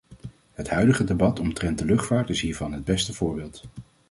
Het huidige debat omtrent de luchtvaart is hiervan het beste voorbeeld.